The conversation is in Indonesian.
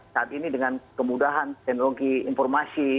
saat ini dengan kemudahan teknologi informasi